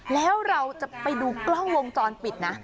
แล้วเราจะไปดูกล้องวงจรปิดนะ